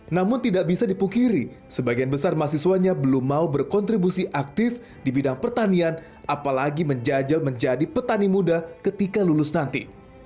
namun tidak bisa dipungkiri sebagian besar mahasiswanya belum mau berkontribusi aktif di bidang pertanian apalagi menjajal menjadi petani muda ketika lulus nanti